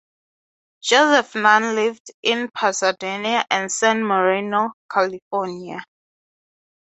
Joseph Nunn lived in Pasadena and San Marino, California.